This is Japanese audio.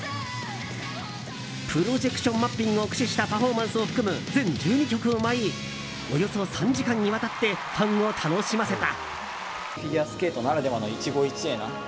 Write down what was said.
プロジェクションマッピングを駆使したパフォーマンスを含む全１２曲を舞いおよそ３時間にわたってファンを楽しませた。